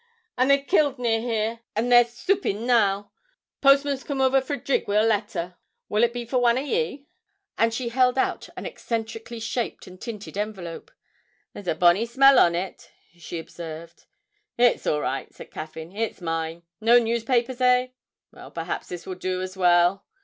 'Ay, they've killed near here, and they're soopin' now. Postman's coom over fra' Drigg wi' a letter will it be for wan of ye?' and she held out an eccentrically shaped and tinted envelope; 'there's a bonny smell on it,' she observed. 'It's all right,' said Caffyn, 'it's mine; no newspapers, eh? Well, perhaps this will do as well!'